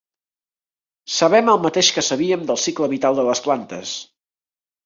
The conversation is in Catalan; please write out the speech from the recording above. Sabem el mateix que sabíem del cicle vital de les plantes.